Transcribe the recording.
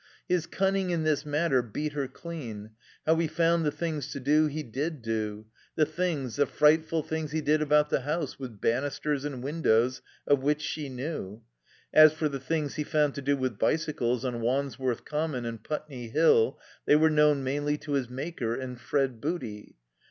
His cunning in this matter beat her dean — how he found the things to do he did do; the things, the frightful things he did about the house with bannisters and windows, of which she knew. As for the things he found to do with bicycles on Wandsworth Common and Putney Hill they were known mainly to his Maker and Fred Booty.